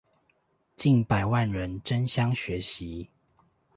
近百萬人爭相學習